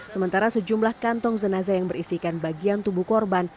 sementara sejumlah kantong zanaza yang berisikan bagian tubuh korban